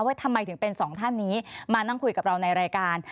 ว่าทำไมถึงเป็นสองท่านนี้มานั่งคุยกับเราในรายการ